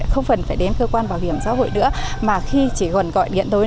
không phần phải đến cơ quan bảo hiểm xã hội nữa mà khi chỉ còn gọi điện đối